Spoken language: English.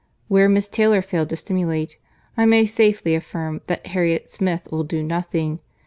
Where Miss Taylor failed to stimulate, I may safely affirm that Harriet Smith will do nothing.